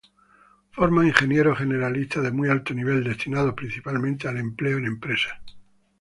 Forma ingenieros generalistas de muy alto nivel, destinados principalmente al empleo en empresas.